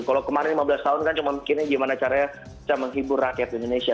kalau kemarin lima belas tahun kan cuma mikirnya gimana caranya bisa menghibur rakyat indonesia